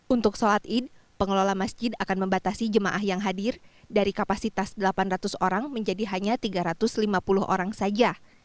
untuk sholat id pengelola masjid akan membatasi jemaah yang hadir dari kapasitas delapan ratus orang menjadi hanya tiga ratus lima puluh orang saja